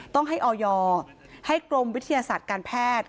ต้องให้ออยให้กรมวิทยาศาสตร์การแพทย์